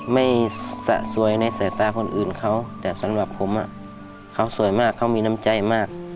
สะสวยในสายตาคนอื่นเขาแต่สำหรับผมเขาสวยมากเขามีน้ำใจมาก